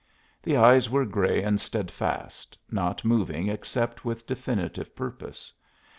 The eyes were gray and steadfast, not moving except with definitive purpose.